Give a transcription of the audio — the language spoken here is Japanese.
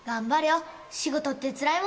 仕事ってつらいもんだよ。